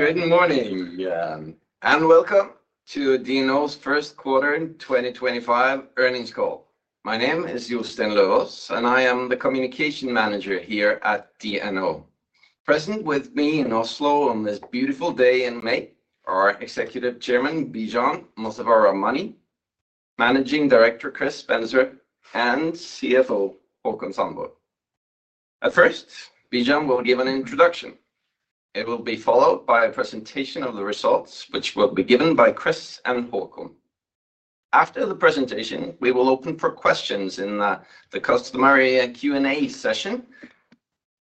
Good morning, Jan, and welcome to DNO's first quarter 2025 earnings call. My name is Jostein Løvås, and I am the Communication Manager here at DNO. Present with me in Oslo on this beautiful day in May are Executive Chairman Bijan Mossavar-Rahmani, Managing Director Chris Spencer, and CFO Haakon Sandborg. At first, Bijan will give an introduction. It will be followed by a presentation of the results, which will be given by Chris and Haakon. After the presentation, we will open for questions in the customary Q&A session.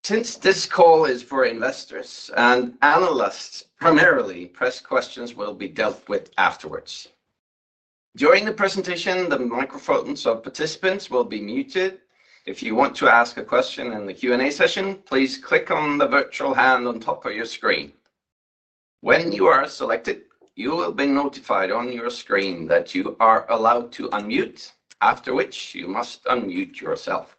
Since this call is for investors and analysts, primarily press questions will be dealt with afterwards. During the presentation, the microphones of participants will be muted. If you want to ask a question in the Q&A session, please click on the virtual hand on top of your screen. When you are selected, you will be notified on your screen that you are allowed to unmute, after which you must unmute yourself.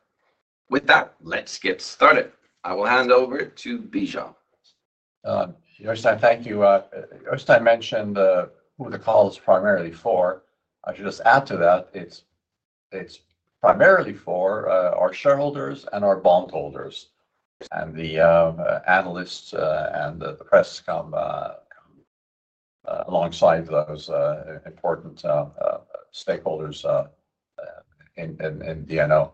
With that, let's get started. I will hand over to Bijan. Joostein, thank you. Joostein mentioned who the call is primarily for. I should just add to that it's primarily for our shareholders and our bondholders. The analysts and the press come alongside those important stakeholders in DNO.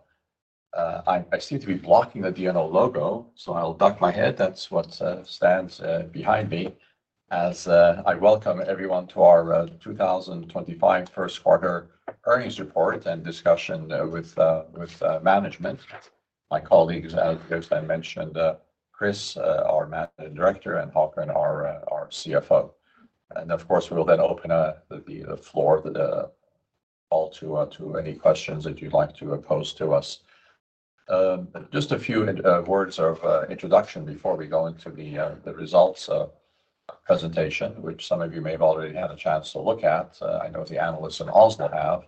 I seem to be blocking the DNO logo, so I'll duck my head. That's what stands behind me as I welcome everyone to our 2025 first quarter earnings report and discussion with management, my colleagues, as Joostein mentioned, Chris, our Managing Director, and Haakon, our CFO. Of course, we'll then open the floor to any questions that you'd like to pose to us. Just a few words of introduction before we go into the results presentation, which some of you may have already had a chance to look at. I know the analysts in Oslo have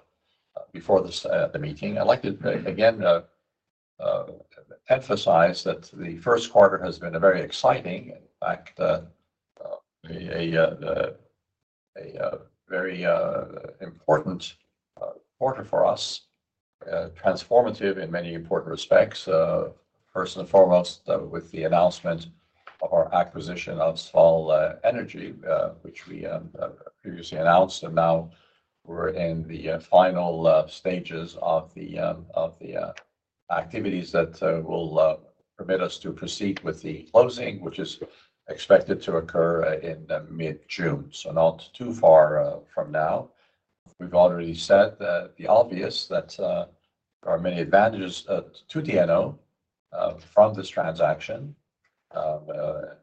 before the meeting. I'd like to again emphasize that the first quarter has been very exciting. In fact, a very important quarter for us, transformative in many important respects. First and foremost, with the announcement of our acquisition of Sval Energi, which we previously announced, and now we're in the final stages of the activities that will permit us to proceed with the closing, which is expected to occur in mid-June, so not too far from now. We've already said the obvious that there are many advantages to DNO from this transaction. Of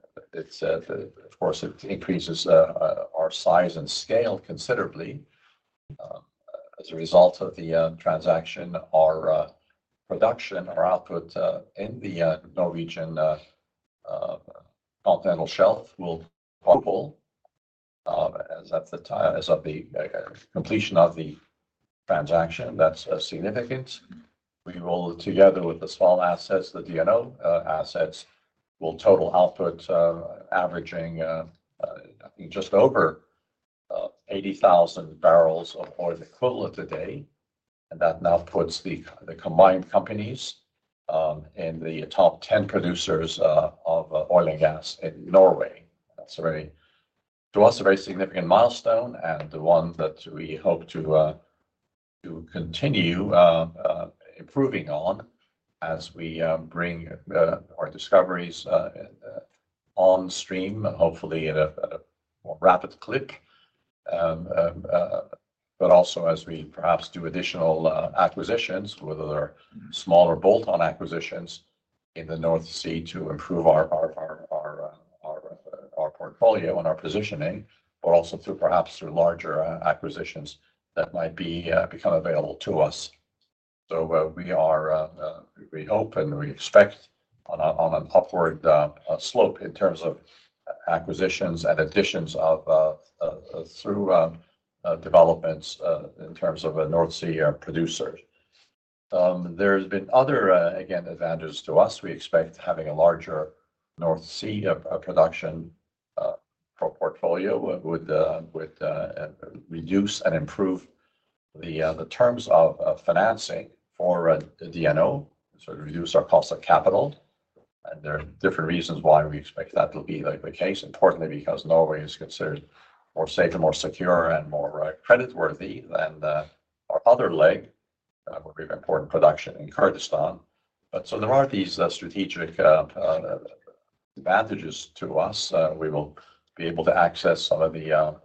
course, it increases our size and scale considerably. As a result of the transaction, our production, our output in the Norwegian Continental Shelf will double, as of the completion of the transaction. That's significant. We will, together with the small assets, the DNO assets, total output averaging just over 80,000 barrels of oil equivalent a day. That now puts the combined companies in the top 10 producers of oil and gas in Norway. That's a very, to us, a very significant milestone and one that we hope to continue improving on as we bring our discoveries on stream, hopefully at a more rapid clip. Also, as we perhaps do additional acquisitions, whether they're smaller bolt-on acquisitions in the North Sea to improve our portfolio and our positioning, or perhaps larger acquisitions that might become available to us. We hope and we expect on an upward slope in terms of acquisitions and additions through developments in terms of North Sea producers. There have been other, again, advantages to us. We expect having a larger North Sea production portfolio would reduce and improve the terms of financing for DNO, so reduce our cost of capital. There are different reasons why we expect that to be the case, importantly because Norway is considered more safe, more secure, and more creditworthy than our other leg, where we have important production in Kurdistan. There are these strategic advantages to us. We will be able to access some of the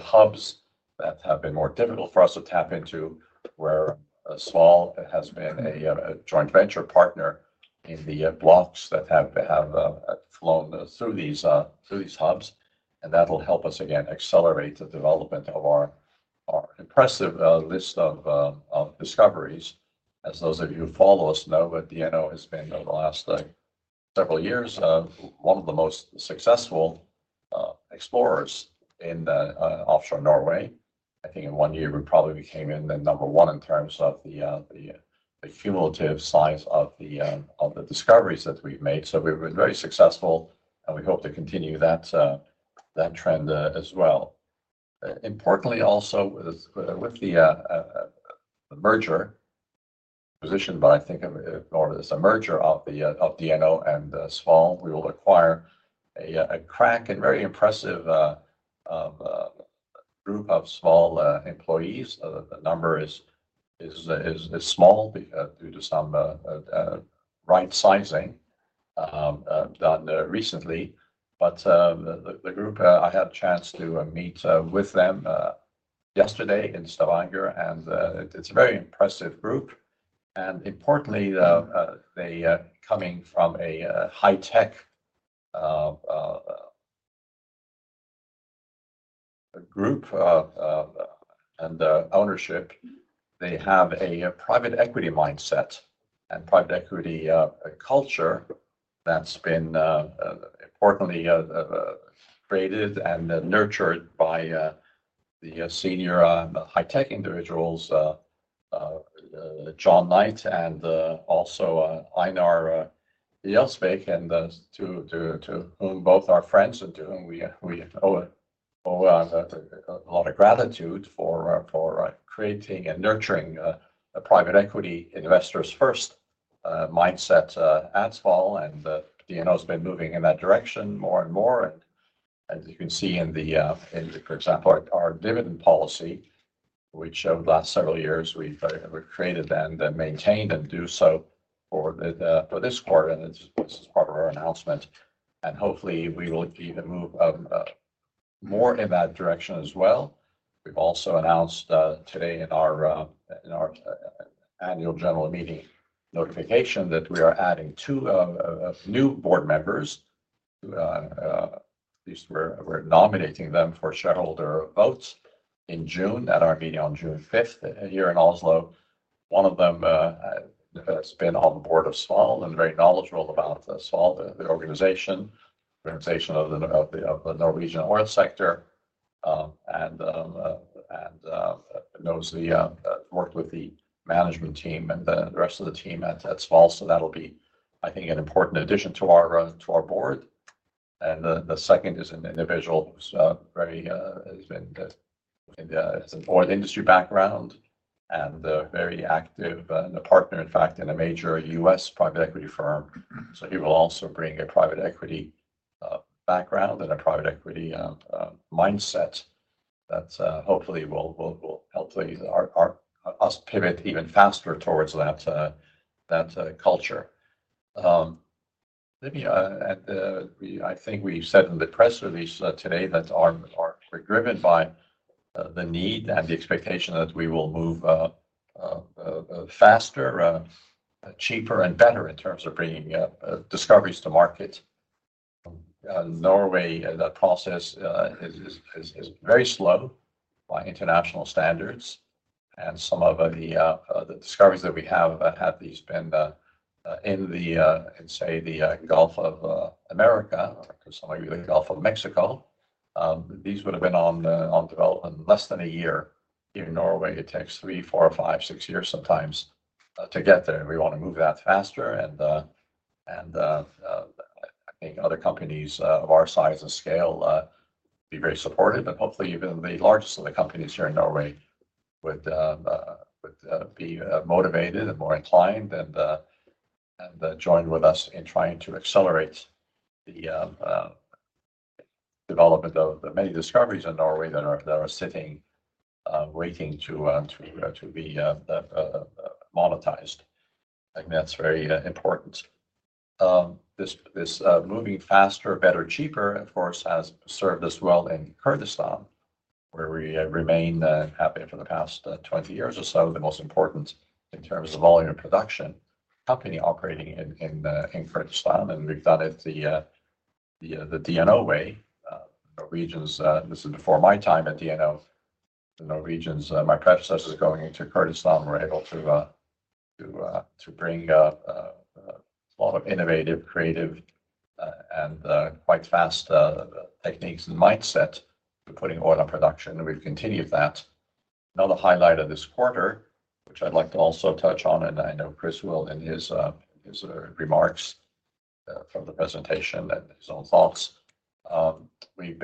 hubs that have been more difficult for us to tap into, where Sval has been a joint venture partner in the blocks that have flown through these hubs. That will help us, again, accelerate the development of our impressive list of discoveries. As those of you who follow us know, DNO has been, over the last several years, one of the most successful explorers in offshore Norway. I think in one year, we probably became number one in terms of the cumulative size of the discoveries that we've made. We have been very successful, and we hope to continue that trend as well. Importantly, also, with the merger position, but I think of it more as a merger of DNO and Sval, we will acquire a crack and very impressive group of Sval employees. The number is small due to some right sizing done recently. The group, I had a chance to meet with them yesterday in Stavanger, and it is a very impressive group. Importantly, they are coming from a high-tech group and ownership. They have a private equity mindset and private equity culture that has been importantly created and nurtured by the senior high-tech individuals, John Knight, and also Einar Jelsa, to whom both are friends and to whom we owe a lot of gratitude for creating and nurturing a private equity investors-first mindset at Sval. DNO has been moving in that direction more and more. As you can see in, for example, our dividend policy, which over the last several years we've created and maintained and do so for this quarter, this is part of our announcement. Hopefully, we will even move more in that direction as well. We've also announced today in our annual general meeting notification that we are adding two new board members. At least we're nominating them for shareholder votes in June at our meeting on June 5th here in Oslo. One of them has been on the board of Sval and is very knowledgeable about Sval, the organization of the Norwegian oil sector, and knows the work with the management team and the rest of the team at Sval. That will be, I think, an important addition to our board. The second is an individual who has an oil industry background and is a very active partner, in fact, in a major US private equity firm. He will also bring a private equity background and a private equity mindset that hopefully will help us pivot even faster towards that culture. I think we said in the press release today that we are driven by the need and the expectation that we will move faster, cheaper, and better in terms of bringing discoveries to market. In Norway, that process is very slow by international standards. Some of the discoveries that we have had, if these had been in, say, the Gulf of Mexico, these would have been on development in less than a year. Here in Norway, it takes three, four, five, six years sometimes to get there. We want to move that faster. I think other companies of our size and scale would be very supportive. Hopefully, even the largest of the companies here in Norway would be motivated and more inclined and join with us in trying to accelerate the development of the many discoveries in Norway that are sitting, waiting to be monetized. I think that's very important. This moving faster, better, cheaper, of course, has served us well in Kurdistan, where we remain happy for the past 20 years or so, the most important in terms of volume of production. Company operating in Kurdistan. We've done it the DNO way. This is before my time at DNO. My predecessors going into Kurdistan were able to bring a lot of innovative, creative, and quite fast techniques and mindset to putting oil in production. We've continued that. Another highlight of this quarter, which I'd like to also touch on, and I know Chris will in his remarks from the presentation and his own thoughts. We've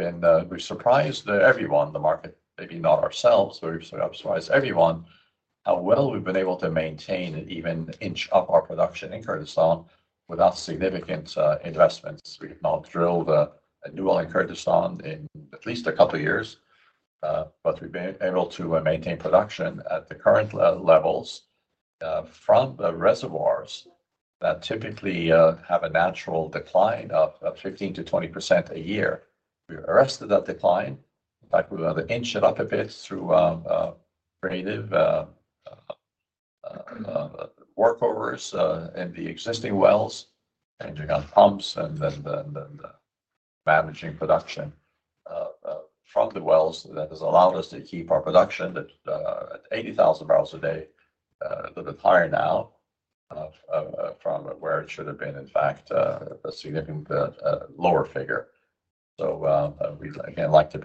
surprised everyone, the market, maybe not ourselves, but we've surprised everyone how well we've been able to maintain and even inch up our production in Kurdistan without significant investments. We have not drilled a new oil in Kurdistan in at least a couple of years, but we've been able to maintain production at the current levels from reservoirs that typically have a natural decline of 15%-20% a year. We've arrested that decline. In fact, we've inched it up a bit through creative workovers in the existing wells, changing out pumps, and managing production from the wells that has allowed us to keep our production at 80,000 barrels a day, a little bit higher now from where it should have been, in fact, a significantly lower figure. We would again like to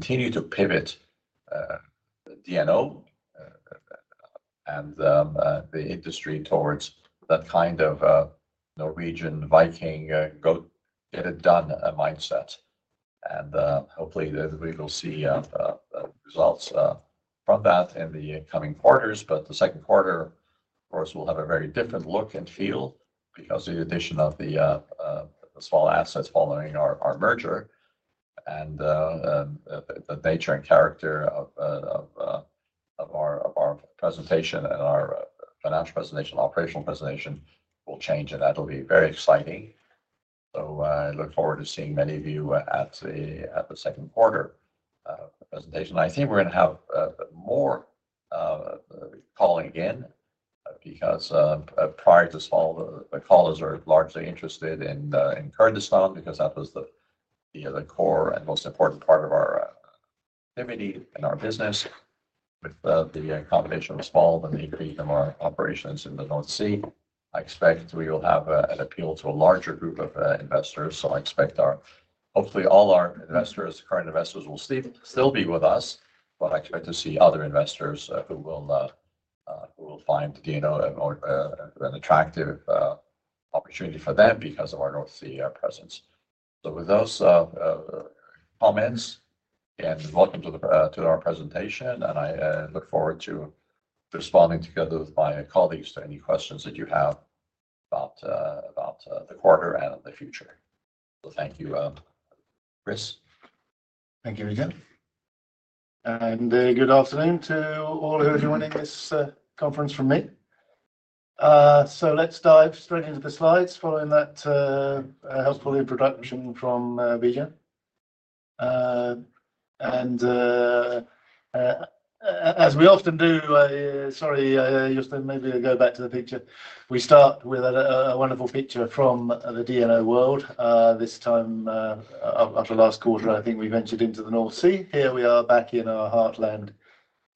continue to pivot DNO and the industry towards that kind of Norwegian Viking go get it done mindset. Hopefully, we will see results from that in the coming quarters. The second quarter, of course, will have a very different look and feel because of the addition of the small assets following our merger. The nature and character of our presentation and our financial presentation, operational presentation will change, and that'll be very exciting. I look forward to seeing many of you at the second quarter presentation. I think we're going to have more calling in because prior to Sval, the callers are largely interested in Kurdistan because that was the core and most important part of our activity and our business. With the combination of Sval and the increase of our operations in the North Sea, I expect we will have an appeal to a larger group of investors. I expect hopefully all our current investors will still be with us, but I expect to see other investors who will find DNO an attractive opportunity for them because of our North Sea presence. With those comments, again, welcome to our presentation. I look forward to responding together with my colleagues to any questions that you have about the quarter and the future. Thank you, Chris. Thank you, Bijan. Good afternoon to all who are joining this conference from me. Let's dive straight into the slides following that helpful introduction from Bijan. As we often do, sorry, Jostein, maybe go back to the picture. We start with a wonderful picture from the DNO world. This time, after last quarter, I think we ventured into the North Sea. Here we are back in our heartland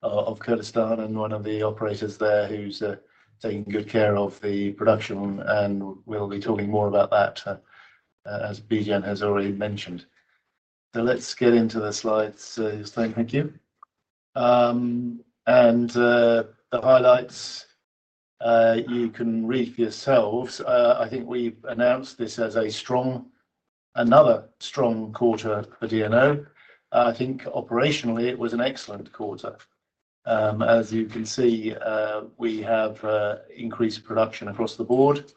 of Kurdistan and one of the operators there who's taking good care of the production. We'll be talking more about that, as Bijan has already mentioned. Let's get into the slides. Jostein, thank you. The highlights you can read for yourselves. I think we've announced this as another strong quarter for DNO. I think operationally, it was an excellent quarter. As you can see, we have increased production across the board.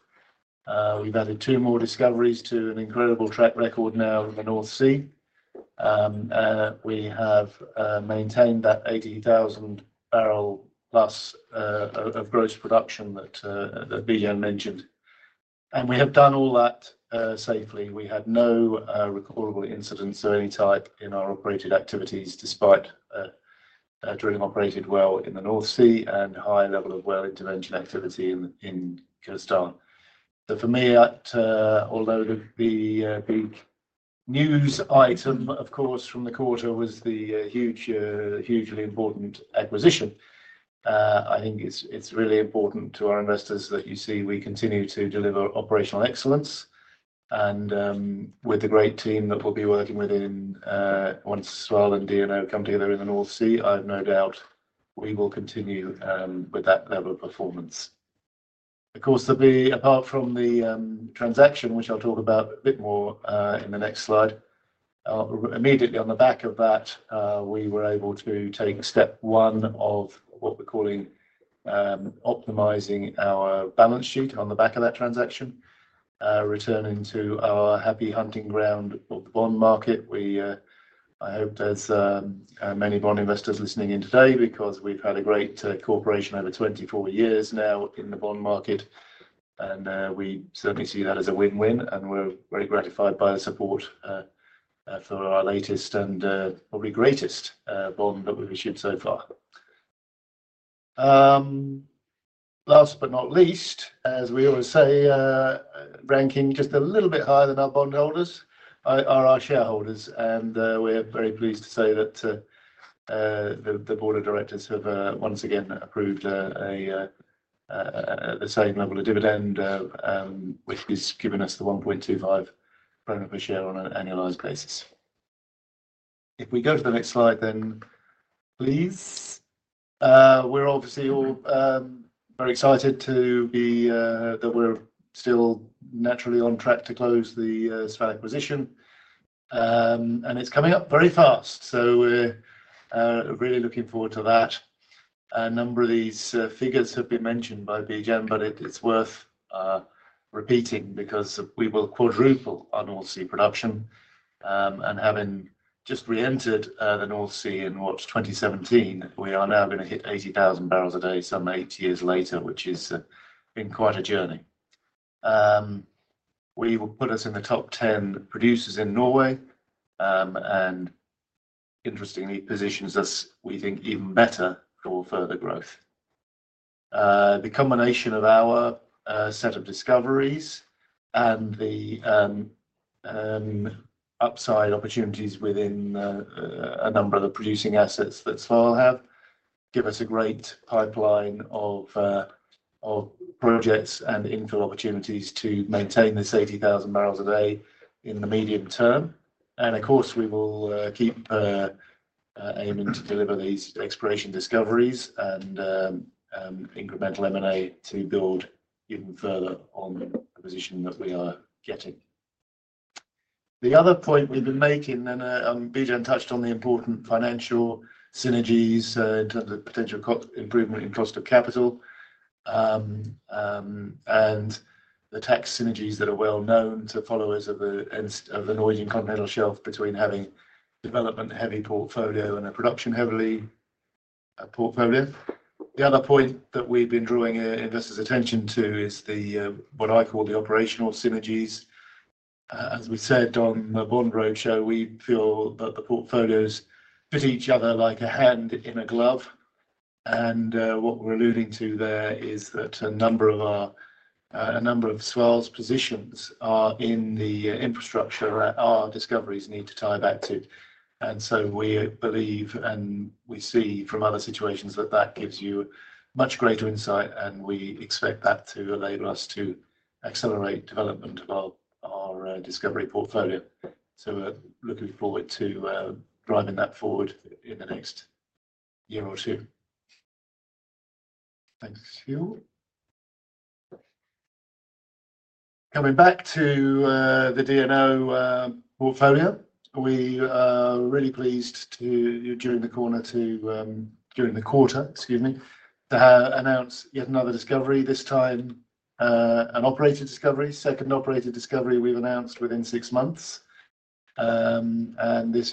We've added two more discoveries to an incredible track record now in the North Sea. We have maintained that 80,000 barrel plus of gross production that Bijan mentioned. We have done all that safely. We had no recallable incidents of any type in our operated activities despite drilling operated well in the North Sea and high level of well intervention activity in Kurdistan. For me, although the big news item, of course, from the quarter was the hugely important acquisition, I think it's really important to our investors that you see we continue to deliver operational excellence. With the great team that we'll be working within once Sval and DNO come together in the North Sea, I have no doubt we will continue with that level of performance. Of course, apart from the transaction, which I'll talk about a bit more in the next slide, immediately on the back of that, we were able to take step one of what we're calling optimizing our balance sheet on the back of that transaction, returning to our happy hunting ground of the bond market. I hope there's many bond investors listening in today because we've had a great cooperation over 24 years now in the bond market. We certainly see that as a win-win. We're very gratified by the support for our latest and probably greatest bond that we've issued so far. Last but not least, as we always say, ranking just a little bit higher than our bondholders are our shareholders. We are very pleased to say that the board of directors have once again approved the same level of dividend, which has given us the 1.25 per share on an annualized basis. If we go to the next slide, please. We are obviously all very excited that we are still naturally on track to close the Sval acquisition. It is coming up very fast. We are really looking forward to that. A number of these figures have been mentioned by Bijan, but it is worth repeating because we will quadruple our North Sea production. Having just re-entered the North Sea in, what, 2017, we are now going to hit 80,000 barrels a day some eight years later, which has been quite a journey. This will put us in the top 10 producers in Norway and interestingly positions us, we think, even better for further growth. The combination of our set of discoveries and the upside opportunities within a number of the producing assets that Sval have gives us a great pipeline of projects and infill opportunities to maintain this 80,000 barrels a day in the medium term. Of course, we will keep aiming to deliver these exploration discoveries and incremental M&A to build even further on the position that we are getting. The other point we have been making, and Bijan touched on the important financial synergies in terms of potential improvement in cost of capital and the tax synergies that are well known to followers of the Norwegian Continental Shelf between having a development-heavy portfolio and a production-heavy portfolio. The other point that we have been drawing investors' attention to is what I call the operational synergies. As we said on the Bond Roadshow, we feel that the portfolios fit each other like a hand in a glove. What we are alluding to there is that a number of Sval's positions are in the infrastructure our discoveries need to tie back to. We believe and we see from other situations that that gives you much greater insight. We expect that to enable us to accelerate development of our discovery portfolio. We are looking forward to driving that forward in the next year or two. Thanks, Hugh. Coming back to the DNO portfolio, we are really pleased during the quarter, excuse me, to announce yet another discovery, this time an operated discovery, second operated discovery we have announced within six months. This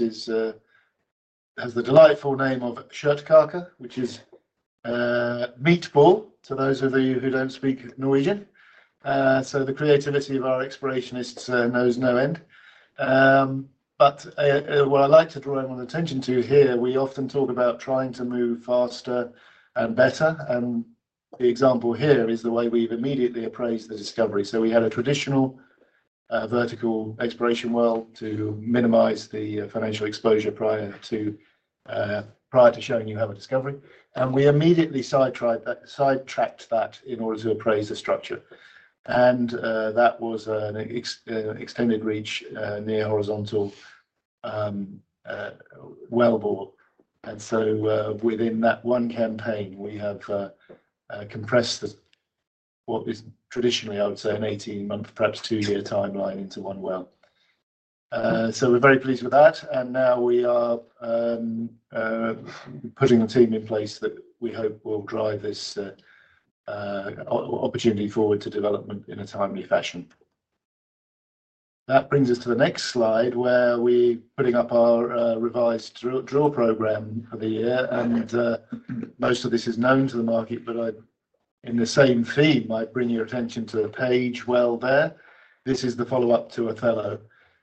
has the delightful name of Shirtkaka, which is meatball to those of you who do not speak Norwegian. The creativity of our explorationists knows no end. What I'd like to draw everyone's attention to here, we often talk about trying to move faster and better. The example here is the way we've immediately appraised the discovery. We had a traditional vertical exploration well to minimize the financial exposure prior to showing you have a discovery. We immediately sidetracked that in order to appraise the structure. That was an extended reach near horizontal wellbore. Within that one campaign, we have compressed what is traditionally, I would say, an 18-month, perhaps two-year timeline into one well. We're very pleased with that. Now we are putting the team in place that we hope will drive this opportunity forward to development in a timely fashion. That brings us to the next slide where we're putting up our revised draw program for the year. Most of this is known to the market, but in the same theme, I bring your attention to a page well there. This is the follow-up to Othello.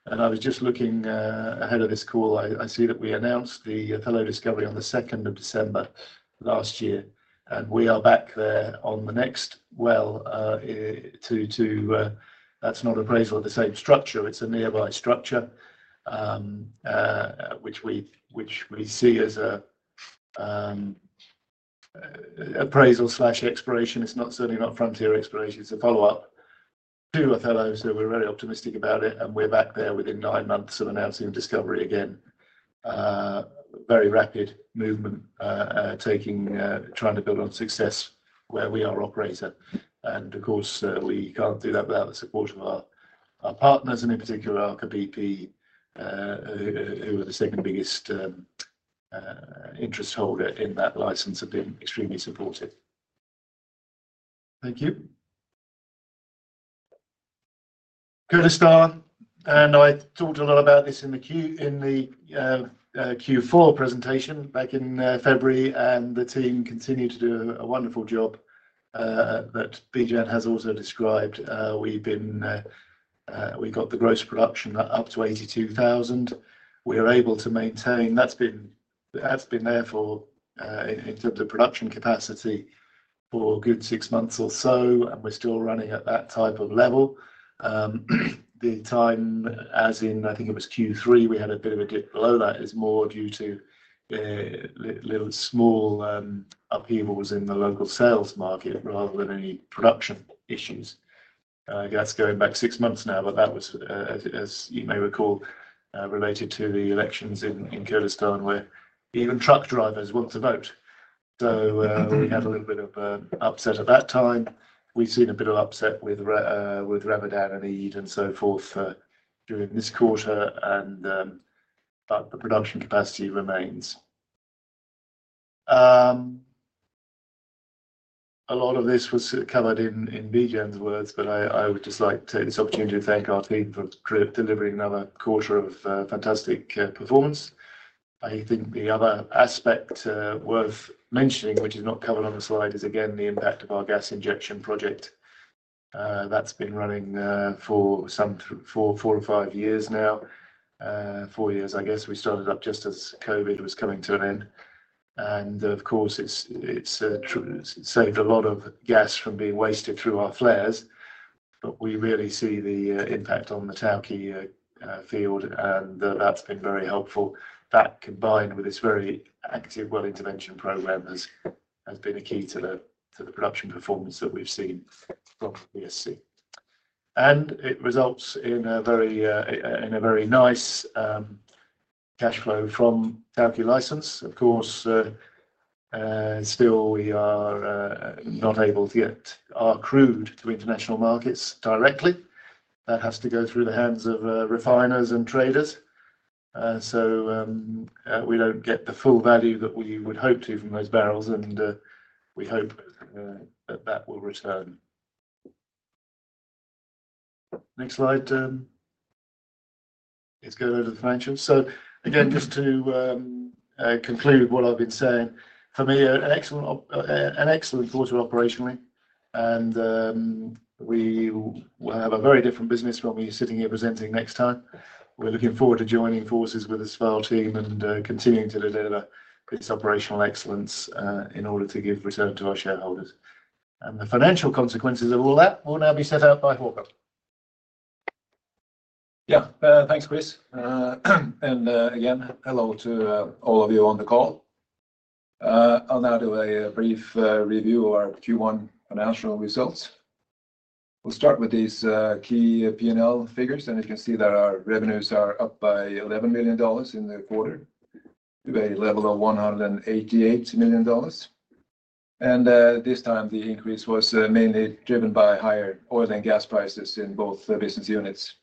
I was just looking ahead of this call. I see that we announced the Othello discovery on the 2nd of December last year. We are back there on the next well too. That's not appraisal of the same structure. It's a nearby structure, which we see as an appraisal/expiration. It's certainly not frontier expiration. It's a follow-up to Othello. We're very optimistic about it. We're back there within nine months of announcing the discovery again. Very rapid movement, trying to build on success where we are operator. Of course, we can't do that without the support of our partners, and in particular, Aker BP, who are the second biggest interest holder in that license, have been extremely supportive. Thank you. Kurdistan. I talked a lot about this in the Q4 presentation back in February. The team continued to do a wonderful job that Bijan has also described. We've got the gross production up to 82,000. We are able to maintain. That's been there in terms of production capacity for a good six months or so. We're still running at that type of level. The time, as in, I think it was Q3, we had a bit of a dip below that. It's more due to little small upheavals in the local sales market rather than any production issues. That's going back six months now. That was, as you may recall, related to the elections in Kurdistan, where even truck drivers want to vote. We had a little bit of upset at that time. We have seen a bit of upset with Ramadan and Eid and so forth during this quarter. The production capacity remains. A lot of this was covered in Bijan's words, but I would just like to take this opportunity to thank our team for delivering another quarter of fantastic performance. I think the other aspect worth mentioning, which is not covered on the slide, is, again, the impact of our gas injection project. That has been running for four or five years now. Four years, I guess. We started up just as COVID was coming to an end. Of course, it has saved a lot of gas from being wasted through our flares. We really see the impact on the Tawke field, and that's been very helpful. That, combined with this very active well intervention program, has been a key to the production performance that we've seen from the NCS. It results in a very nice cash flow from the Tawke license. Of course, still, we are not able to get our crude to international markets directly. That has to go through the hands of refiners and traders. We do not get the full value that we would hope to from those barrels. We hope that will return. Next slide. Let's go over to the financials. Again, just to conclude what I've been saying, for me, an excellent quarter operationally. We will have a very different business when we're sitting here presenting next time. We're looking forward to joining forces with the Sval team and continuing to deliver this operational excellence in order to give return to our shareholders. The financial consequences of all that will now be set out by Haakon. Yeah. Thanks, Chris. And again, hello to all of you on the call. I'll now do a brief review of our Q1 financial results. We'll start with these key P&L figures. You can see that our revenues are up by $11 million in the quarter to a level of $188 million. This time, the increase was mainly driven by higher oil and gas prices in both business units.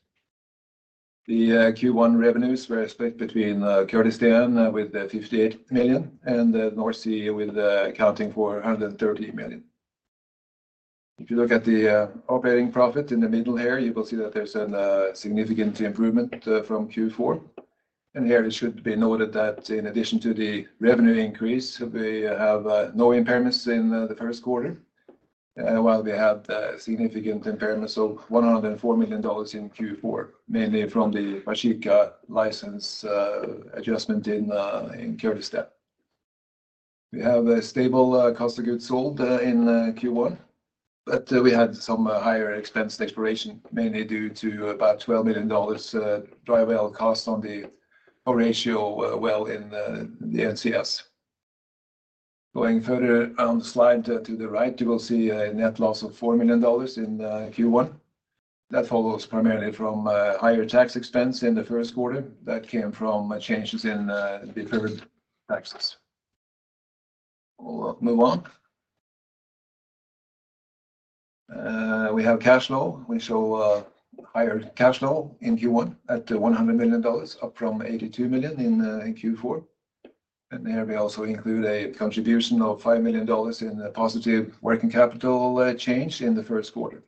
The Q1 revenues were split between Kurdistan with $58 million and the North Sea accounting for $130 million. If you look at the operating profit in the middle here, you will see that there's a significant improvement from Q4. Here, it should be noted that in addition to the revenue increase, we have no impairments in the first quarter, while we had significant impairments of $104 million in Q4, mainly from the Pachika license adjustment in Kurdistan. We have a stable cost of goods sold in Q1, but we had some higher expense expiration, mainly due to about $12 million dry well cost on the ratio well in the NCS. Going further on the slide to the right, you will see a net loss of $4 million in Q1. That follows primarily from higher tax expense in the first quarter that came from changes in deferred taxes. We will move on. We have cash flow. We show higher cash flow in Q1 at $100 million, up from $82 million in Q4. Here, we also include a contribution of $5 million in positive working capital change in the first quarter.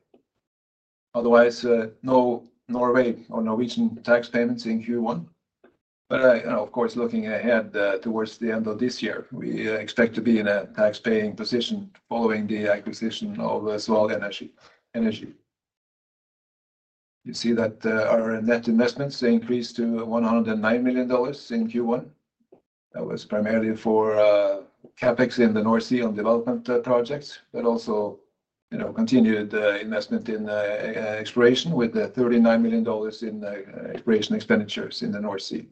Otherwise, no Norway or Norwegian tax payments in Q1. Of course, looking ahead towards the end of this year, we expect to be in a tax-paying position following the acquisition of Sval Energi. You see that our net investments increased to $109 million in Q1. That was primarily for CapEx in the North Sea on development projects, but also continued investment in exploration with $39 million in exploration expenditures in the North Sea.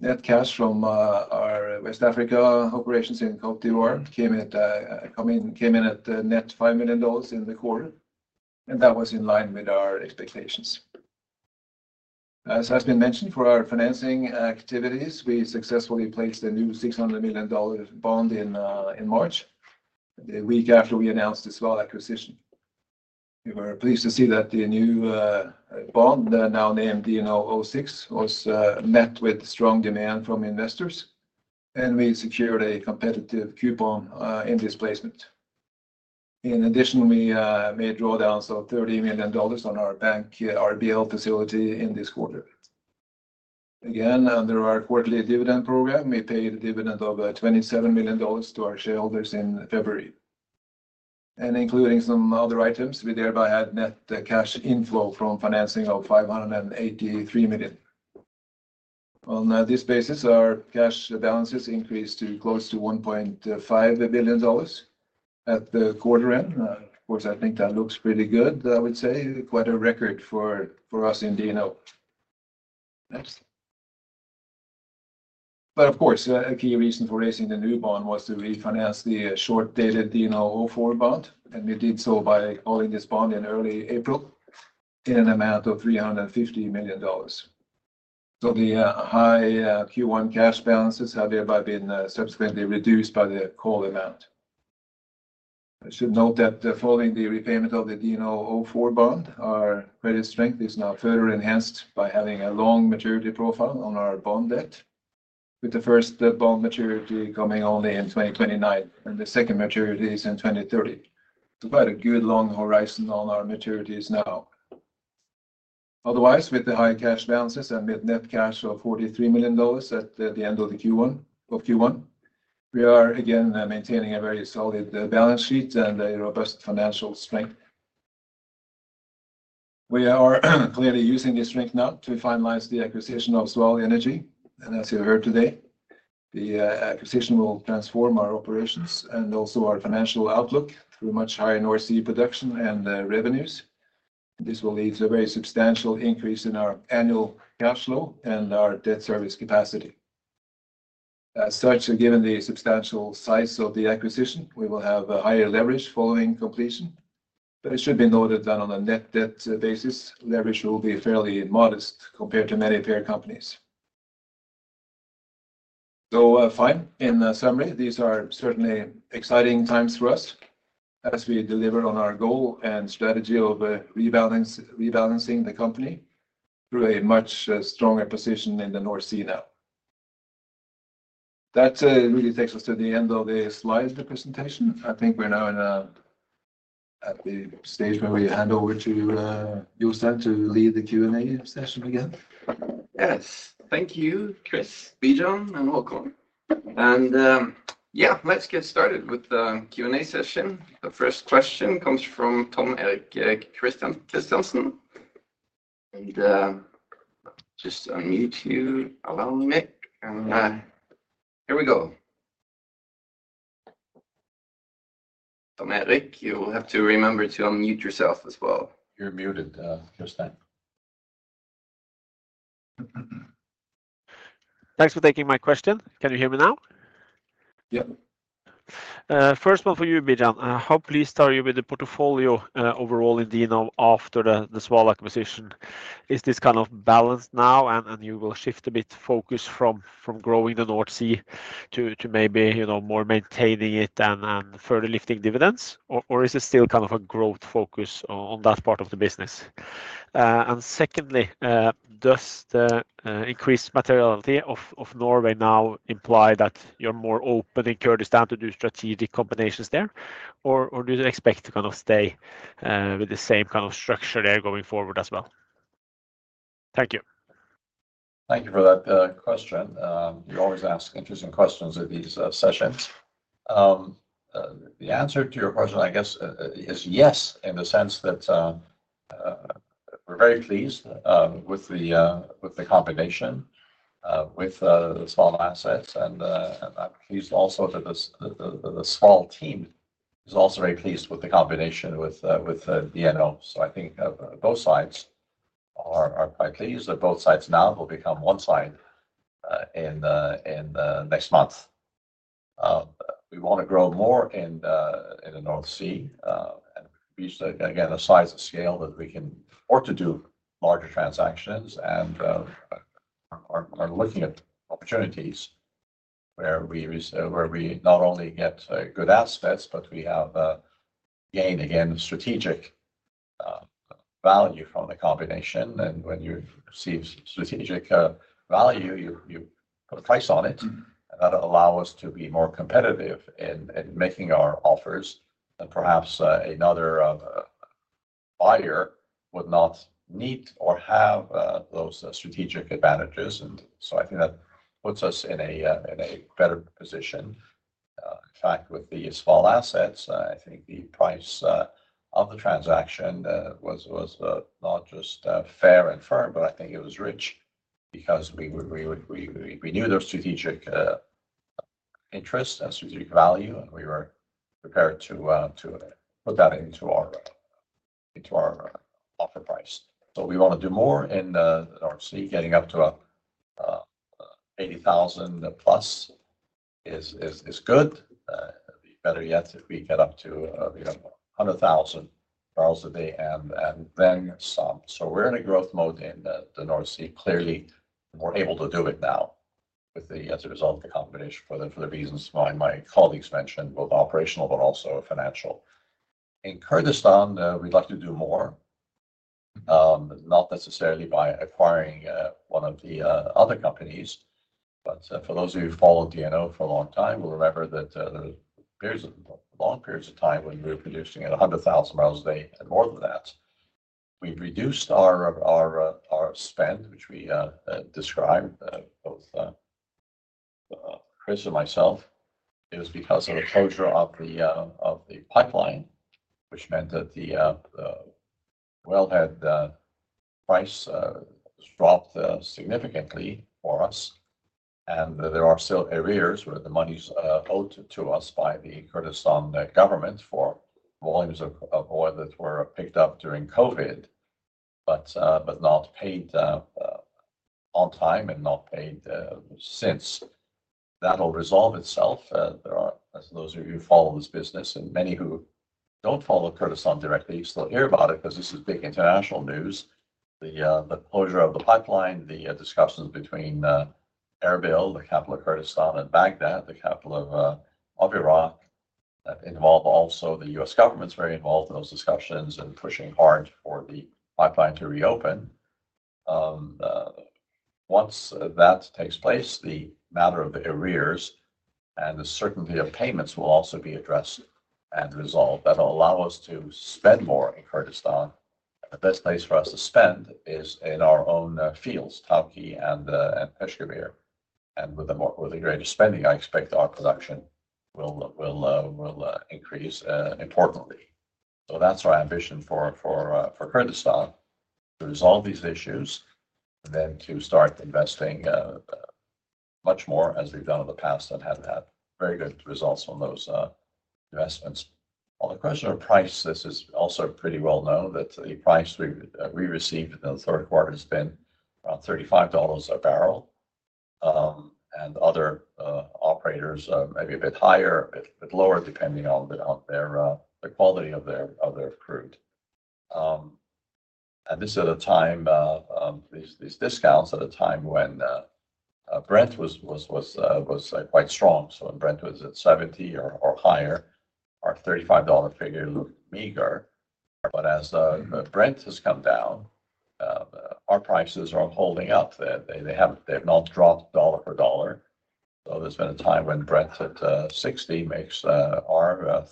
Net cash from our West Africa operations in Côte d'Ivoire came in at net $5 million in the quarter. That was in line with our expectations. As has been mentioned, for our financing activities, we successfully placed a new $600 million bond in March, the week after we announced the Sval acquisition. We were pleased to see that the new bond, now named DNO 06, was met with strong demand from investors. We secured a competitive coupon in this placement. In addition, we made drawdowns of $30 million on our bank RBL facility in this quarter. Again, under our quarterly dividend program, we paid a dividend of $27 million to our shareholders in February. Including some other items, we thereby had net cash inflow from financing of $583 million. On this basis, our cash balances increased to close to $1.5 billion at the quarter end. Of course, I think that looks pretty good, I would say. Quite a record for us in DNO. Of course, a key reason for raising the new bond was to refinance the short-dated DNO 04 bond. We did so by calling this bond in early April in an amount of $350 million. The high Q1 cash balances have thereby been subsequently reduced by the call amount. I should note that following the repayment of the DNO 04 bond, our credit strength is now further enhanced by having a long maturity profile on our bond debt, with the first bond maturity coming only in 2029, and the second maturity is in 2030. Quite a good long horizon on our maturities now. Otherwise, with the high cash balances and mid-net cash of $43 million at the end of Q1, we are again maintaining a very solid balance sheet and a robust financial strength. We are clearly using this strength now to finalize the acquisition of Sval Energi. As you heard today, the acquisition will transform our operations and also our financial outlook through much higher North Sea production and revenues. This will lead to a very substantial increase in our annual cash flow and our debt service capacity. As such, given the substantial size of the acquisition, we will have a higher leverage following completion. It should be noted that on a net debt basis, leverage will be fairly modest compared to many peer companies. In summary, these are certainly exciting times for us as we deliver on our goal and strategy of rebalancing the company through a much stronger position in the North Sea now. That really takes us to the end of the slide of the presentation. I think we're now at the stage where we hand over to Youssef to lead the Q&A session again. Yes. Thank you, Chris, Bijan, and Haakon. Yeah, let's get started with the Q&A session. The first question comes from Tom Erik Kristiansen. Just unmute you, allow me. Here we go. Tom Erik, you will have to remember to unmute yourself as well. Y`ou're muted, Kristian. Thanks for taking my question. Can you hear me now? Yep. First one for you, Bijan. How pleased are you with the portfolio overall in DNO after the Sval acquisition? Is this kind of balanced now, and you will shift a bit focus from growing the North Sea to maybe more maintaining it and further lifting dividends? Or is it still kind of a growth focus on that part of the business? Secondly, does the increased materiality of Norway now imply that you're more open in Kurdistan to do strategic combinations there? Or do you expect to kind of stay with the same kind of structure there going forward as well? Thank you. Thank you for that question. You always ask interesting questions at these sessions. The answer to your question, I guess, is yes, in the sense that we're very pleased with the combination with the Sval assets. I'm pleased also that the Sval team is also very pleased with the combination with DNO. I think both sides are quite pleased that both sides now will become one side in next month. We want to grow more in the North Sea. We reached, again, a size of scale that we can or to do larger transactions. We are looking at opportunities where we not only get good assets, but we have gained, again, strategic value from the combination. When you receive strategic value, you put a price on it. That will allow us to be more competitive in making our offers. Perhaps another buyer would not need or have those strategic advantages. I think that puts us in a better position. In fact, with the Sval assets, I think the price of the transaction was not just fair and firm, but I think it was rich because we knew their strategic interest and strategic value. We were prepared to put that into our offer price. We want to do more in the North Sea. Getting up to 80,000 plus is good. Better yet, if we get up to 100,000 barrels a day and then some. We are in a growth mode in the North Sea. Clearly, we are able to do it now as a result of the combination for the reasons my colleagues mentioned, both operational but also financial. In Kurdistan, we would like to do more, not necessarily by acquiring one of the other companies. For those of you who followed DNO for a long time, we'll remember that there were long periods of time when we were producing at 100,000 barrels a day and more than that. We've reduced our spend, which we described, both Chris and myself. It was because of the closure of the pipeline, which meant that the wellhead price dropped significantly for us. There are still arrears where the money's owed to us by the Kurdistan government for volumes of oil that were picked up during COVID, but not paid on time and not paid since. That'll resolve itself. As those of you who follow this business and many who don't follow Kurdistan directly, you still hear about it because this is big international news. The closure of the pipeline, the discussions between Erbil, the capital of Kurdistan, and Baghdad, the capital of Iraq, that involve also the U.S. government's very involved in those discussions and pushing hard for the pipeline to reopen. Once that takes place, the matter of the arrears and the certainty of payments will also be addressed and resolved. That'll allow us to spend more in Kurdistan. The best place for us to spend is in our own fields, Tawke and Peshkhabir. With greater spending, I expect our production will increase importantly. That is our ambition for Kurdistan, to resolve these issues, and then to start investing much more as we've done in the past and have had very good results on those investments. On the question of price, this is also pretty well known that the price we received in the third quarter has been around $35 a barrel. Other operators may be a bit higher, a bit lower, depending on the quality of their crude. This is at a time these discounts at a time when Brent was quite strong. When Brent was at 70 or higher, our $35 figure looked meager. As Brent has come down, our prices are holding up. They have not dropped dollar for dollar. There has been a time when Brent at 60 makes our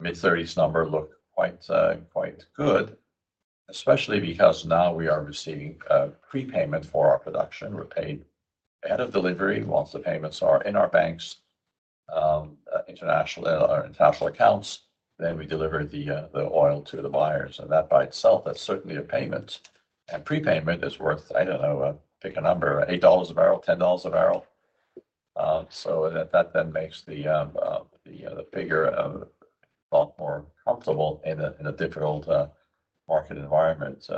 mid-30s number look quite good, especially because now we are receiving prepayment for our production. We're paid ahead of delivery once the payments are in our banks, international accounts, then we deliver the oil to the buyers. That by itself, that's certainly a payment. Prepayment is worth, I don't know, pick a number, $8 a barrel, $10 a barrel. That then makes the figure a lot more comfortable in a difficult market environment.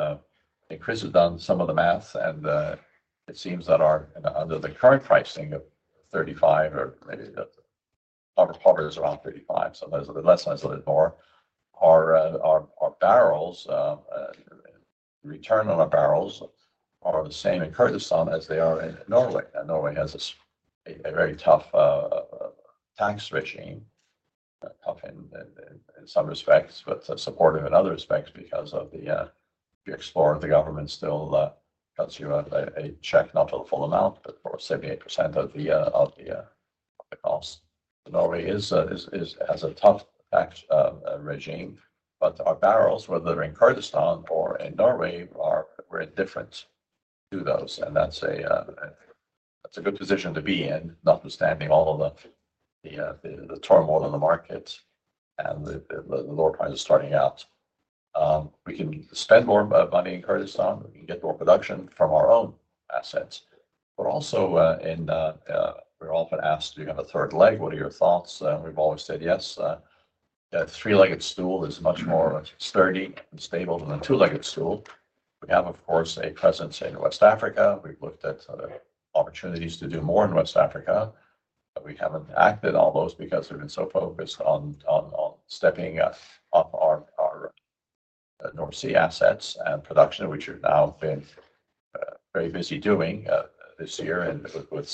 Chris has done some of the math, and it seems that under the current pricing of 35, or maybe our target is around 35, so less is a little bit more, our return on our barrels are the same in Kurdistan as they are in Norway. Norway has a very tough tax regime, tough in some respects, but supportive in other respects because of the explorer, the government still cuts you a check, not for the full amount, but for 78% of the cost. Norway has a tough tax regime, but our barrels, whether in Kurdistan or in Norway, we're indifferent to those. That is a good position to be in, not-with-standing all of the turmoil in the market and the lower prices starting out. We can spend more money in Kurdistan. We can get more production from our own assets. We are often asked, "Do you have a third leg? What are your thoughts?" We have always said, "Yes." A three-legged stool is much more sturdy and stable than a two-legged stool. We have, of course, a presence in West Africa. We have looked at opportunities to do more in West Africa. We have not acted on those because we have been so focused on stepping up our North Sea assets and production, which we have now been very busy doing this year with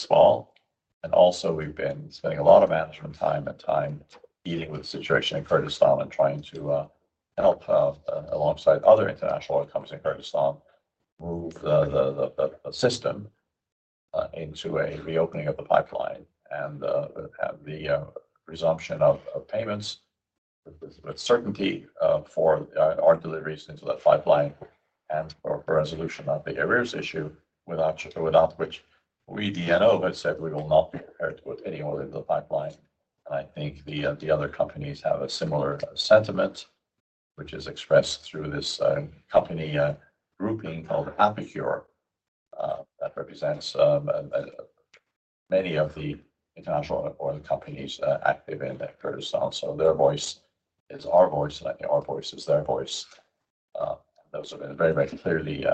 Sval. Also, we've been spending a lot of management time and time dealing with the situation in Kurdistan and trying to help alongside other international outcomes in Kurdistan move the system into a reopening of the pipeline and the resumption of payments with certainty for our deliveries into that pipeline and for resolution of the arrears issue, without which we, DNO, have said we will not be prepared to put any oil into the pipeline. I think the other companies have a similar sentiment, which is expressed through this company grouping called APOC that represents many of the international oil companies active in Kurdistan. Their voice is our voice, and I think our voice is their voice. Those have been very, very clearly.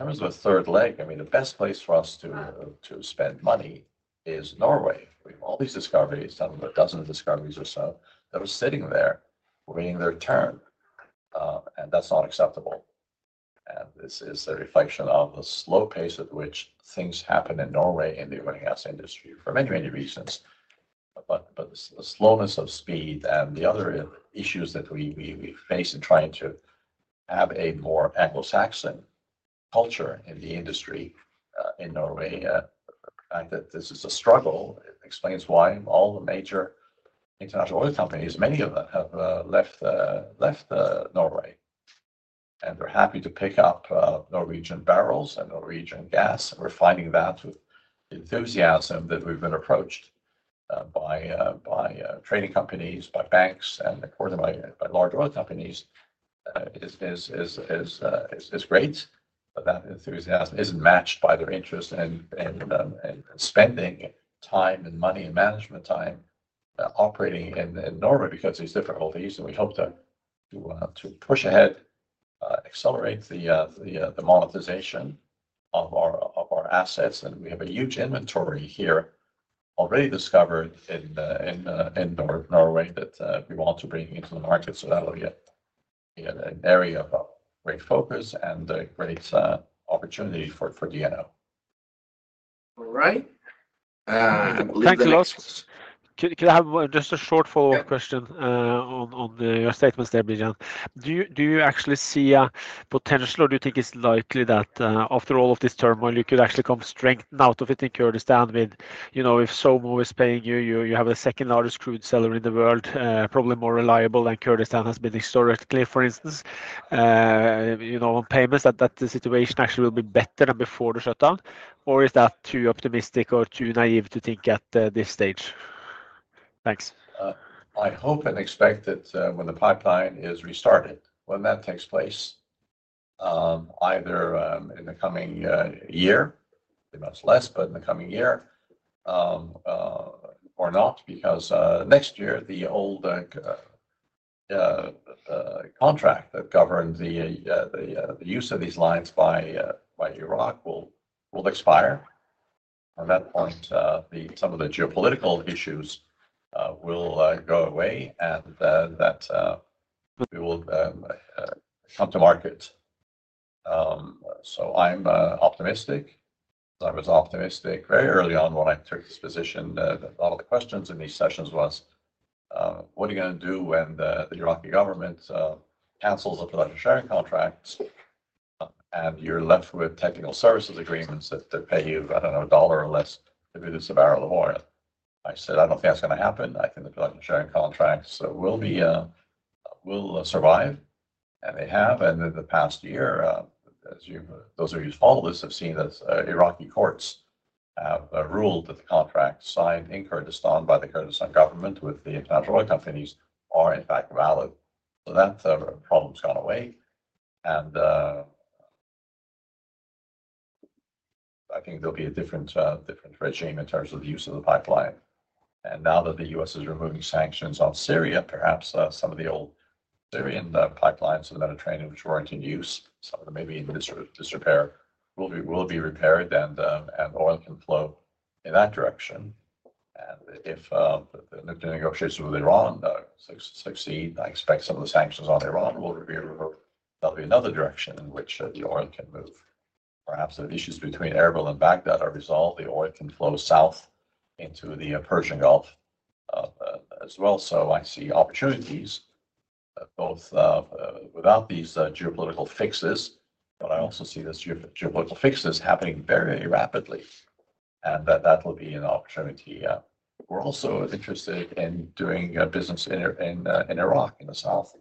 In terms of a third leg, I mean, the best place for us to spend money is Norway. We have all these discoveries, some of a dozen discoveries or so, that are sitting there waiting their turn. That is not acceptable. This is a reflection of the slow pace at which things happen in Norway in the oil and gas industry for many, many reasons. The slowness of speed and the other issues that we face in trying to have a more Anglo-Saxon culture in the industry in Norway, the fact that this is a struggle, it explains why all the major international oil companies, many of them, have left Norway. They are happy to pick up Norwegian barrels and Norwegian gas. We are finding that enthusiasm that we have been approached by trading companies, by banks, and of course, by large oil companies is great. That enthusiasm is not matched by their interest in spending time and money and management time operating in Norway because of these difficulties. We hope to push ahead, accelerate the monetization of our assets. We have a huge inventory here already discovered in Norway that we want to bring into the market. That will be an area of great focus and great opportunity for DNO. All right. Thank you a lot. Can I have just a short follow-up question on your statements there, Bijan. Do you actually see a potential, or do you think it's likely that after all of this turmoil, you could actually come strengthen out of it in Kurdistan with, if SoMo is paying you, you have the second largest crude seller in the world, probably more reliable than Kurdistan has been historically, for instance, on payments, that the situation actually will be better than before the shutdown? Or is that too optimistic or too naive to think at this stage? Thanks. I hope and expect that when the pipeline is restarted, when that takes place, either in the coming year, much less, but in the coming year, or not, because next year, the old contract that governed the use of these lines by Iraq will expire. At that point, some of the geopolitical issues will go away, and that we will come to market. So I'm optimistic. I was optimistic very early on when I took this position. A lot of the questions in these sessions was, "What are you going to do when the Iraqi government cancels the production sharing contracts and you're left with technical services agreements that pay you, I don't know, a dollar or less to produce a barrel of oil?" I said, "I don't think that's going to happen. I think the production sharing contracts will survive." They have. In the past year, those of you who follow this have seen that Iraqi courts have ruled that the contracts signed in Kurdistan by the Kurdistan government with the international oil companies are, in fact, valid. That problem's gone away. I think there'll be a different regime in terms of the use of the pipeline. Now that the U.S. is removing sanctions on Syria, perhaps some of the old Syrian pipelines in the Mediterranean, which were not in use, some of them may be in disrepair, will be repaired, and oil can flow in that direction. If the nuclear negotiations with Iran succeed, I expect some of the sanctions on Iran will be reversed. There will be another direction in which the oil can move. Perhaps the issues between Erbil and Baghdad are resolved. The oil can flow south into the Persian Gulf as well. I see opportunities, both without these geopolitical fixes, but I also see these geopolitical fixes happening very rapidly. That will be an opportunity. We are also interested in doing business in Iraq, in the south.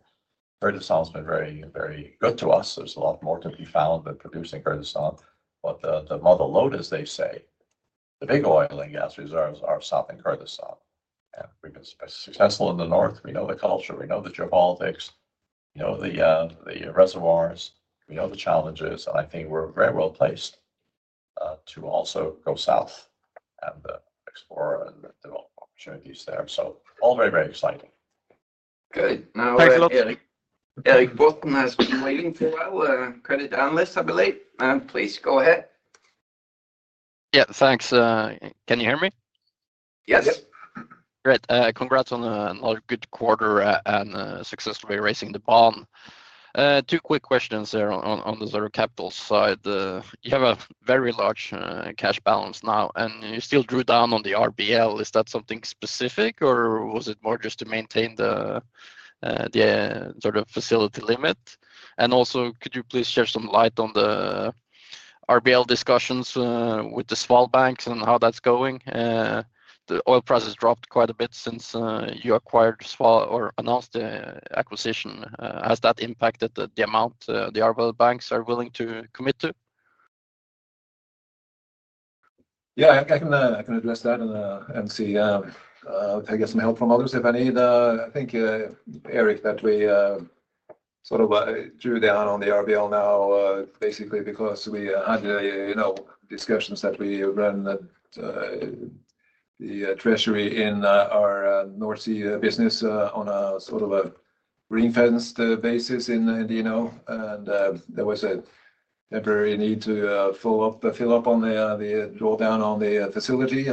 Kurdistan has been very good to us. There is a lot more to be found than producing Kurdistan. But the mother load, as they say, the big oil and gas reserves are south in Kurdistan. We have been successful in the north. We know the culture. We know the geopolitics. We know the reservoirs. We know the challenges. I think we are very well placed to also go south and explore and develop opportunities there. All very, very exciting. Good. Now, Eric. Eric, Boston has been waiting for a credit analyst, I believe. Please go ahead. Yeah, thanks. Can you hear me? Yes. Great. Congrats on a good quarter and successfully raising the bond. Two quick questions there on the sort of capital side. You have a very large cash balance now, and you still drew down on the RBL. Is that something specific, or was it more just to maintain the sort of facility limit? Could you please shed some light on the RBL discussions with the Sval banks and how that's going? The oil price has dropped quite a bit since you acquired Sval or announced the acquisition. Has that impacted the amount the RBL banks are willing to commit to? Yeah, I can address that and see if I get some help from others if I need. I thank Eric, that we sort of drew down on the RBL now, basically because we had discussions that we ran the treasury in our North Sea business on a sort of a ring-fenced basis in DNO. There was a temporary need to fill up on the drawdown on the facility.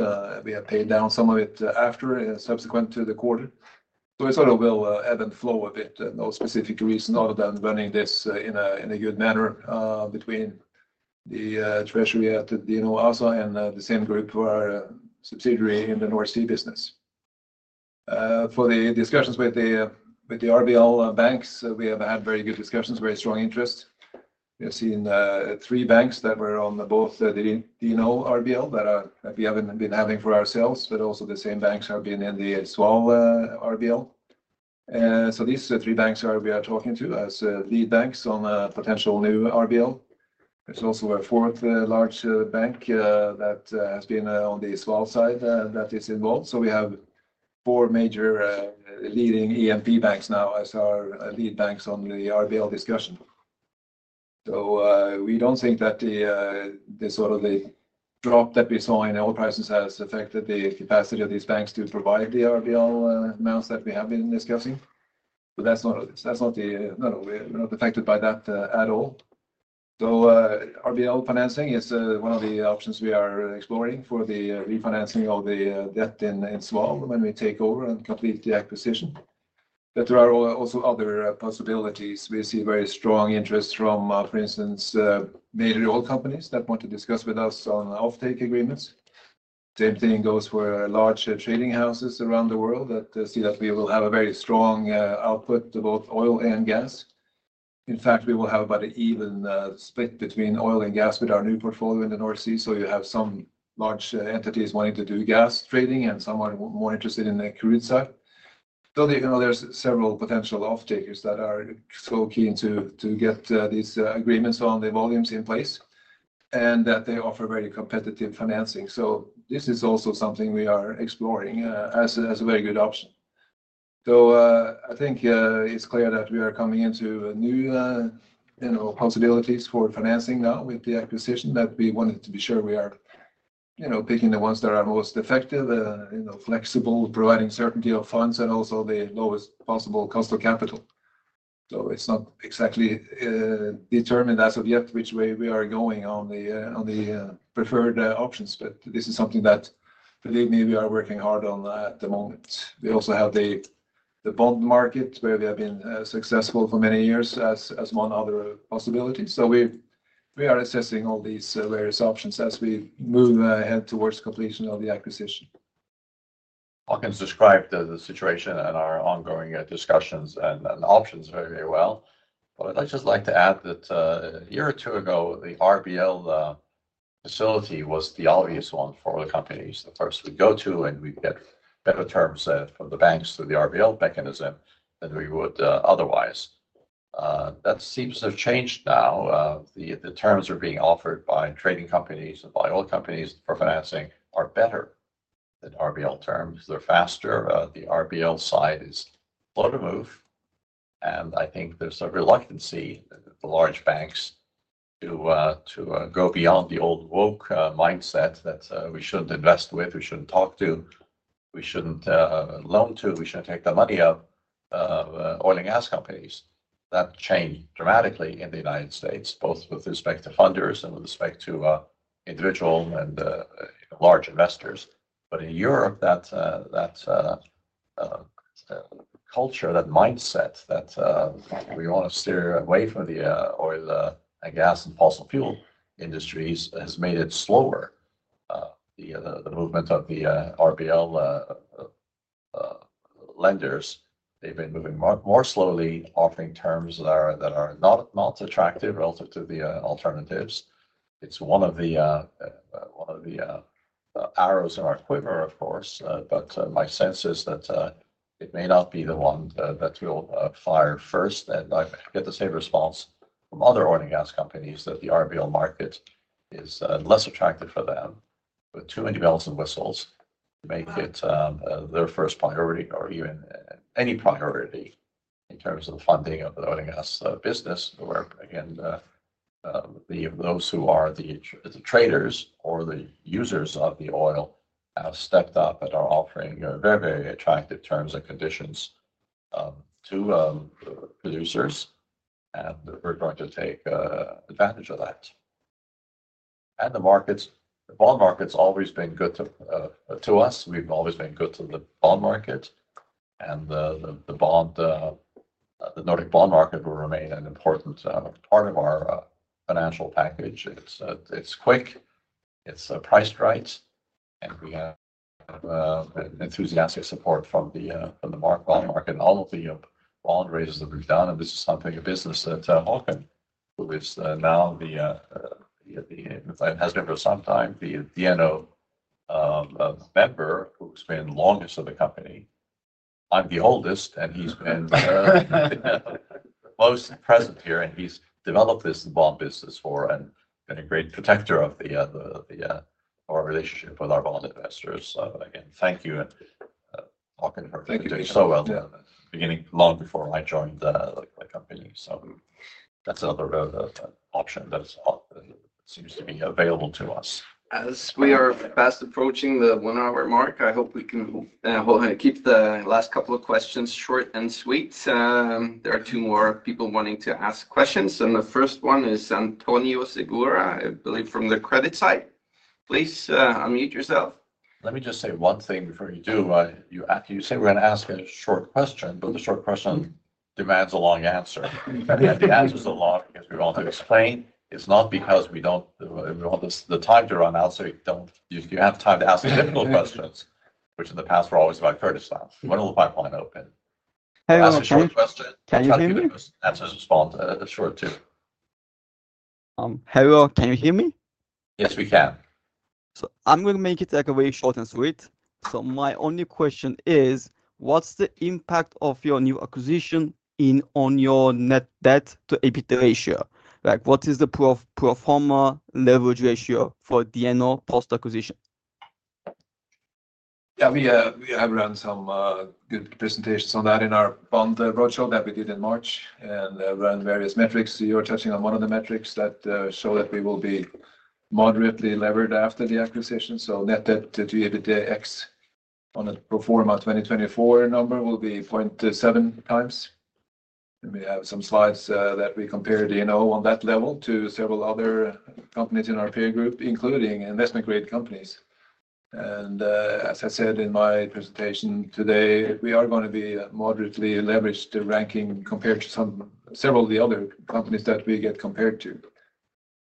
We had paid down some of it after, subsequent to the quarter. It sort of will ebb and flow a bit, no specific reason, other than running this in a good manner between the treasury at DNO ASA and the same group, our subsidiary in the North Sea business. For the discussions with the RBL banks, we have had very good discussions, very strong interest. We have seen three banks that were on both the DNO RBL that we have not been having for ourselves, but also the same banks have been in the Sval RBL. These three banks we are talking to as lead banks on potential new RBL. There is also a fourth large bank that has been on the Sval side that is involved. We have four major leading EMP banks now as our lead banks on the RBL discussion. We do not think that the sort of the drop that we saw in oil prices has affected the capacity of these banks to provide the RBL amounts that we have been discussing. That is not the—no, no, we are not affected by that at all. RBL financing is one of the options we are exploring for the refinancing of the debt in Sval when we take over and complete the acquisition. There are also other possibilities. We see very strong interest from, for instance, major oil companies that want to discuss with us on offtake agreements. Same thing goes for large trading houses around the world that see that we will have a very strong output to both oil and gas. In fact, we will have about an even split between oil and gas with our new portfolio in the North Sea. You have some large entities wanting to do gas trading and some are more interested in Kurdistan. There are several potential offtakers that are so keen to get these agreements on the volumes in place that they offer very competitive financing. This is also something we are exploring as a very good option. I think it's clear that we are coming into new possibilities for financing now with the acquisition that we wanted to be sure we are picking the ones that are most effective, flexible, providing certainty of funds, and also the lowest possible cost of capital. It's not exactly determined as of yet which way we are going on the preferred options, but this is something that, believe me, we are working hard on at the moment. We also have the bond market, where we have been successful for many years as one other possibility. We are assessing all these various options as we move ahead towards completion of the acquisition. I can describe the situation and our ongoing discussions and options very, very well. I would just like to add that a year or two ago, the RBL facility was the obvious one for the companies. The first we go to and we get better terms from the banks through the RBL mechanism than we would otherwise. That seems to have changed now. The terms being offered by trading companies and by oil companies for financing are better than RBL terms. They are faster. The RBL side is slow to move. I think there's a reluctancy, the large banks, to go beyond the old woke mindset that we shouldn't invest with, we shouldn't talk to, we shouldn't loan to, we shouldn't take the money of oil and gas companies. That changed dramatically in the United States, both with respect to funders and with respect to individual and large investors. In Europe, that culture, that mindset that we want to steer away from the oil and gas and fossil fuel industries has made it slower. The movement of the RBL lenders, they've been moving more slowly, offering terms that are not attractive relative to the alternatives. It's one of the arrows in our quiver, of course. My sense is that it may not be the one that will fire first. I get the same response from other oil and gas companies that the RBL market is less attractive for them, with too many bells and whistles to make it their first priority or even any priority in terms of the funding of the oil and gas business, where, again, those who are the traders or the users of the oil have stepped up and are offering very, very attractive terms and conditions to producers. We are going to take advantage of that. The markets, the bond market's always been good to us. We have always been good to the bond market. The Nordic bond market will remain an important part of our financial package. It is quick. It is priced right. We have enthusiastic support from the bond market and all of the bond raises that we have done. This is something, a business that Haakon, who is now the, and has been for some time, the DNO member who's been the longest of the company. I'm the oldest, and he's been most present here. He's developed this bond business for and been a great protector of our relationship with our bond investors. Again, thank you. Haakon worked with me so well at the beginning, long before I joined the company. That's another option that seems to be available to us. As we are fast approaching the one-hour mark, I hope we can keep the last couple of questions short and sweet. There are two more people wanting to ask questions. The first one is Antonio Segura, I believe, from the credit side. Please unmute yourself. Let me just say one thing before you do. You say we're going to ask a short question, but the short question demands a long answer. The answer's a lot because we want to explain. It's not because we don't want the time to run out, so you have time to ask the difficult questions, which in the past were always about Kurdistan. When will the pipeline open? Hey, Eric. Can you hear me? Can you hear me? I'm going to make it very short and sweet. So my only question is, what's the impact of your new acquisition on your net debt to EBITDA ratio? What is the proforma leverage ratio for DNO post-acquisition? Yeah, we have run some good presentations on that in our bond brochure that we did in March. And we ran various metrics. You're touching on one of the metrics that show that we will be moderately levered after the acquisition. Net debt to EBITDA X on a proforma 2024 number will be 0.7 times. We have some slides that we compare DNO on that level to several other companies in our peer group, including investment-grade companies. As I said in my presentation today, we are going to be moderately leveraged to ranking compared to some several of the other companies that we get compared to.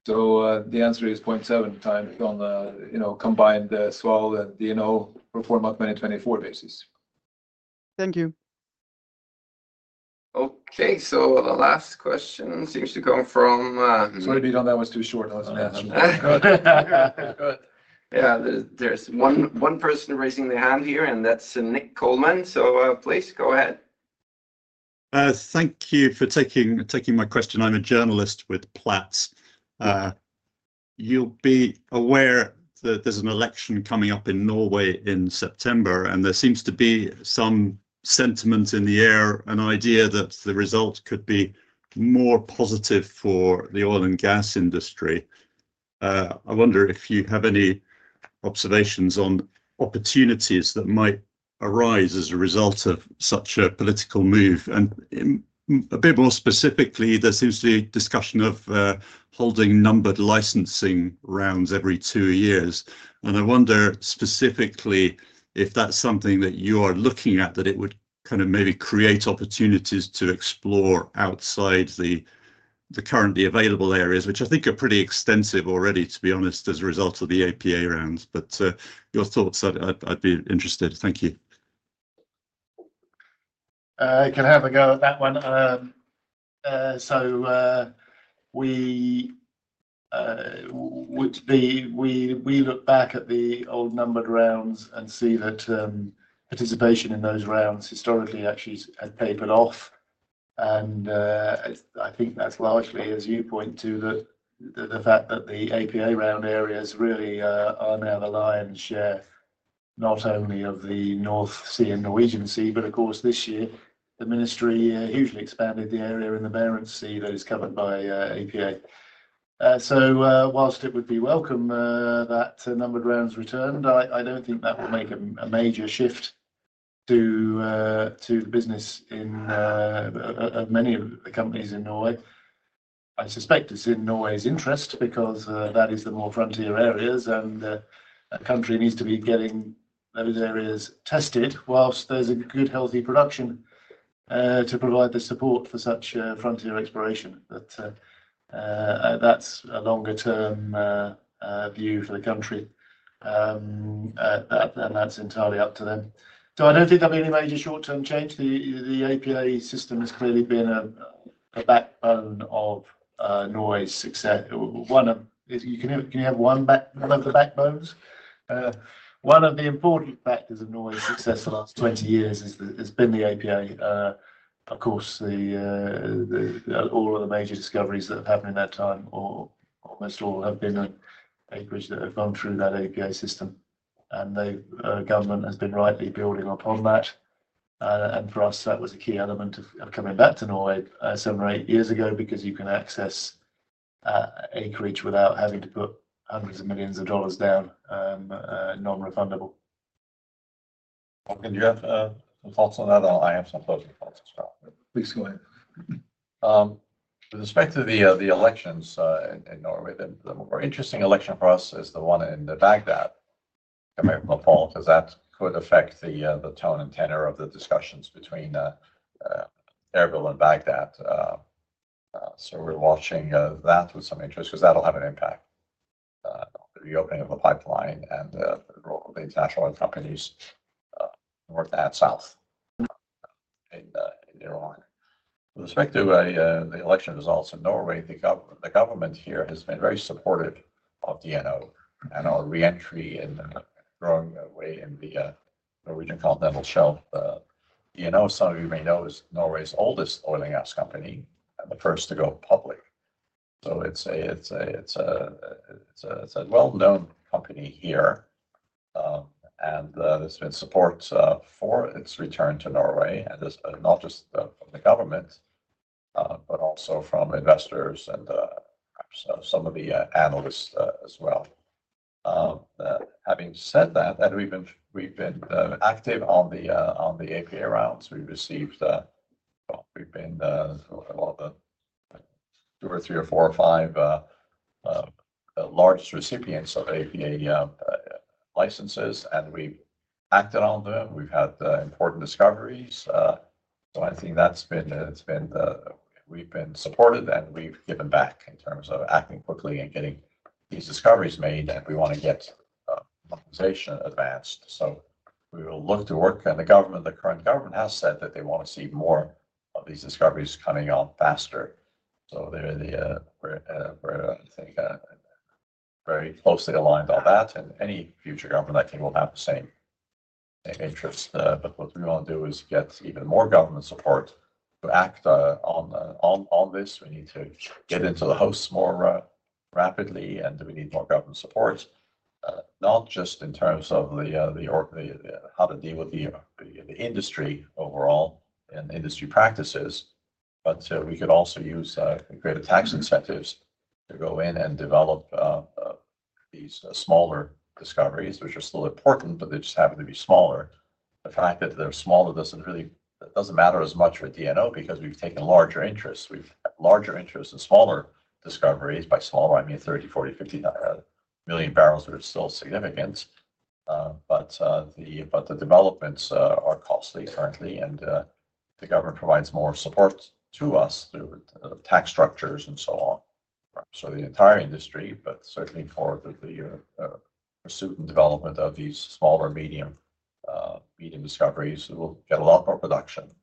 The answer is 0.7 times on the combined Sval and DNO proforma 2024 basis. Thank you. Okay, the last question seems to come from. Sorry, Peter, that was too short. I wasn't answering. Yeah, there's one person raising their hand here, and that's Nick Coleman. Please go ahead. Thank you for taking my question. I'm a journalist with Platts. You'll be aware that there's an election coming up in Norway in September, and there seems to be some sentiment in the air, an idea that the result could be more positive for the oil and gas industry. I wonder if you have any observations on opportunities that might arise as a result of such a political move. A bit more specifically, there seems to be discussion of holding numbered licensing rounds every two years. I wonder specifically if that's something that you are looking at, that it would kind of maybe create opportunities to explore outside the currently available areas, which I think are pretty extensive already, to be honest, as a result of the APA rounds. Your thoughts, I'd be interested. Thank you. I can have a go at that one. We look back at the old numbered rounds and see that participation in those rounds historically actually has papered off. I think that's largely, as you point to, the fact that the APA round areas really are now the lion's share, not only of the North Sea and Norwegian Sea, but of course, this year, the ministry hugely expanded the area in the Barents Sea that is covered by APA. Whilst it would be welcome that numbered rounds returned, I don't think that will make a major shift to the business of many of the companies in Norway. I suspect it's in Norway's interest because that is the more frontier areas, and a country needs to be getting those areas tested whilst there's a good, healthy production to provide the support for such frontier exploration. That's a longer-term view for the country, and that's entirely up to them. I don't think there'll be any major short-term change. The APA system has clearly been a backbone of Norway's success. Can you have one of the backbones? One of the important factors of Norway's success the last 20 years has been the APA. Of course, all of the major discoveries that have happened in that time or almost all have been acreage that have gone through that APA system. The government has been rightly building upon that. For us, that was a key element of coming back to Norway seven or eight years ago because you can access acreage without having to put hundreds of millions of dollars down, non-refundable. Håkon, do you have thoughts on that? I have some closing thoughts as well. Please go ahead. With respect to the elections in Norway, the more interesting election for us is the one in Baghdad, coming up in the fall, because that could affect the tone and tenor of the discussions between Erbil and Baghdad. We are watching that with some interest because that will have an impact on the reopening of the pipeline and the international oil companies north and south in Iraq. With respect to the election results in Norway, the government here has been very supportive of DNO and our re-entry and growing away in the Norwegian Continental Shelf. DNO, some of you may know, is Norway's oldest oil and gas company and the first to go public. It is a well-known company here. There has been support for its return to Norway, not just from the government, but also from investors and some of the analysts as well. Having said that, we've been active on the APA rounds. We've received a lot of the two or three or four or five largest recipients of APA licenses, and we've acted on them. We've had important discoveries. I think that's been we've been supported, and we've given back in terms of acting quickly and getting these discoveries made. We want to get the organization advanced. We will look to work. The current government has said that they want to see more of these discoveries coming on faster. I think very closely aligned on that. Any future government, I think, will have the same interest. What we want to do is get even more government support to act on this. We need to get into the hosts more rapidly, and we need more government support, not just in terms of how to deal with the industry overall and industry practices, but we could also use greater tax incentives to go in and develop these smaller discoveries, which are still important, but they just happen to be smaller. The fact that they're smaller doesn't matter as much for DNO because we've taken larger interests. We've had larger interests in smaller discoveries. By smaller, I mean 30, 40, 50 million barrels are still significant. The developments are costly currently, and the government provides more support to us through tax structures and so on. The entire industry, but certainly for the pursuit and development of these smaller medium discoveries, will get a lot more production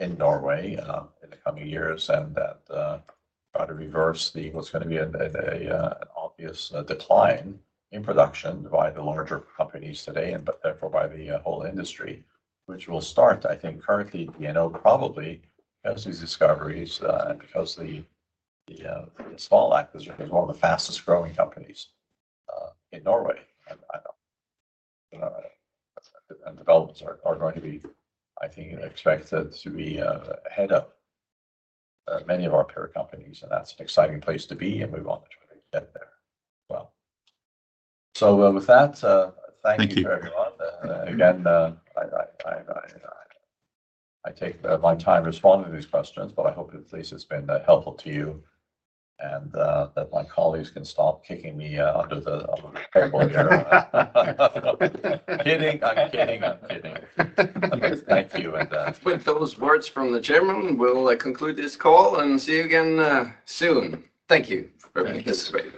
in Norway in the coming years and try to reverse what is going to be an obvious decline in production by the larger companies today, but therefore by the whole industry, which will start, I think. Currently, DNO probably, because of these discoveries and because the small acquisition is one of the fastest-growing companies in Norway. Developments are going to be, I think, expected to be ahead of many of our peer companies. That is an exciting place to be and move on to get there as well. With that, thank you for everyone. Again, I take my time responding to these questions, but I hope at least it has been helpful to you and that my colleagues can stop kicking me under the table here. I'm kidding. I'm kidding. I'm kidding. Thank you. With those words from the Chairman, we'll conclude this call and see you again soon. Thank you for participating.